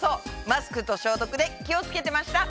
マスクと消毒で気を付けてました！